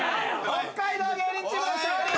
北海道芸人チームの勝利！